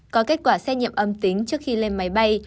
có kết quả xét nghiệm âm tính trước khi lên máy bay